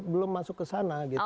belum masuk ke sana gitu